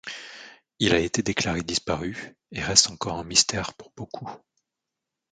Il a été déclaré disparu et reste encore un mystère pour beaucoup.